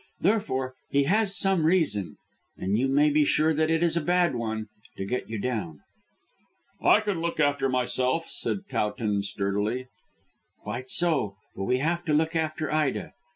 Therefore he has some reason and you may be sure that it is a bad one to get you down." "I can look after myself," said Towton sturdily. "Quite so; but we have to look after Ida.